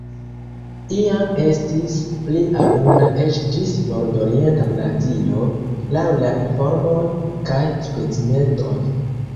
Iam estis pli abunda eĉ ĝis nordorienta Brazilo laŭ la informoj kaj specimenoj.